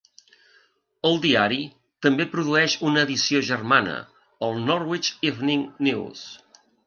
El diari també produeix una edició germana, el Norwich Evening News.